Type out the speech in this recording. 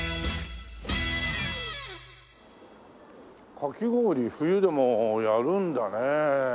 かき氷冬でもやるんだね。